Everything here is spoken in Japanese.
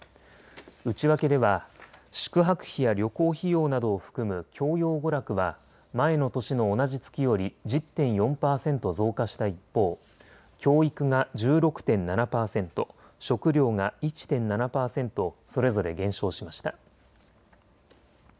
内訳では宿泊費や旅行費用などを含む教養娯楽は前の年の同じ月より１０．４％増加した一方、教育が１６．７％、食料が１．７％それぞれ減少しました。